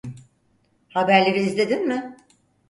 Haberleri izledin mi?